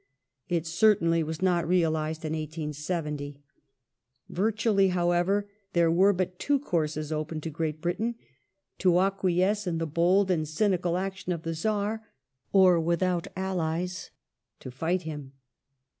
It certainly was not realized in 1870. Vir tually, however, there were but two courses open to Great Britain : to acquiesce in the bold and cynical action of the Czar, or, without allies, to fight him.